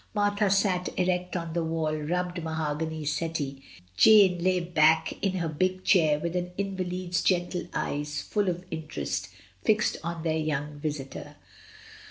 Martha sat erect on the well rubbed mahogany settle, Jane lay back in her big chair with an invalid's gentle eyes full of interest, fixed on their young visitor.